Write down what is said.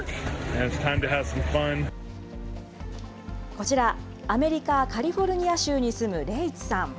こちら、アメリカ・カリフォルニア州に住むレイツさん。